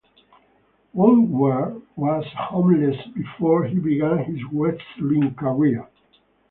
Boulware was homeless before he began his wrestling career.